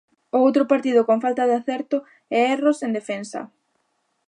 Outro partido con falta de acerto e erros en defensa.